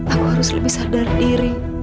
aku harus lebih sadar diri